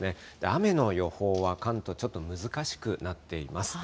雨の予報は、関東、ちょっと難しくなっています。